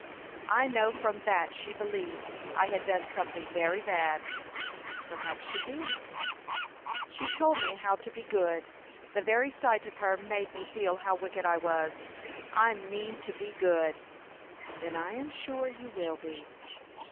"I know from that she believed I had done something very bad." "Perhaps she did." "She told me how to be good. The very sight of her made me feel how wicked I was. I mean to be good." "Then I am sure you will be."